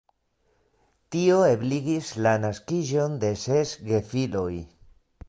Tio ebligis la naskiĝon de ses gefiloj.